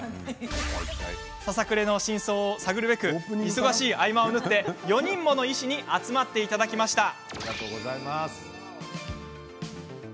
ささくれの真相を探るべく忙しい合間を縫って、４人もの医師に集まっていただきました。